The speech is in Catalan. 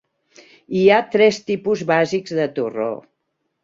Hi ha tres tipus bàsics de torró.